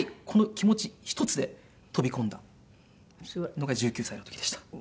この気持ち１つで飛び込んだのが１９歳の時でした。